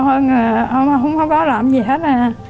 ông không có làm gì hết